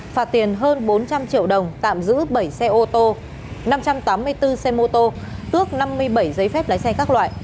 phạt tiền hơn bốn trăm linh triệu đồng tạm giữ bảy xe ô tô năm trăm tám mươi bốn xe mô tô tước năm mươi bảy giấy phép lái xe các loại